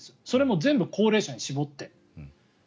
それも全部高齢者に絞って。